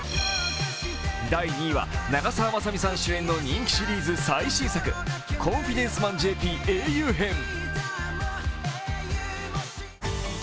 第２位は長澤まさみさん主演の人気シリーズ最新作「コンフィデンスマンＪＰ英雄編」。